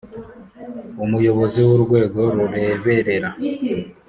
Umuyobozi w urwego rureberera